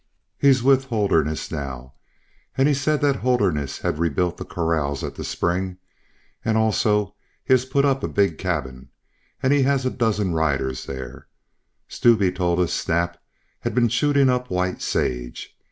He's with Holderness now, and he said that Holderness had rebuilt the corrals at the spring; also he has put up a big cabin, and he has a dozen riders there. Stube told us Snap had been shooting up White Sage.